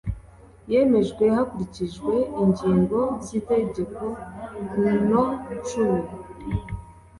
yemejwe hakurikijwe ingingo z itegeko no cumi